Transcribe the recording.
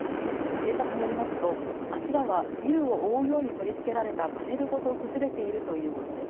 警察によりますと足場はビルを覆うように取り付けられたパネルごと崩れているということです。